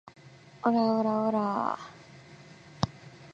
オラオラオラァ